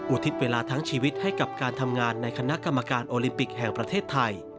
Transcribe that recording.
ทิศเวลาทั้งชีวิตให้กับการทำงานในคณะกรรมการโอลิมปิกแห่งประเทศไทย